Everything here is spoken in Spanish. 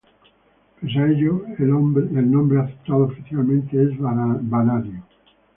Pese a ello, el nombre aceptado oficialmente es vanadio.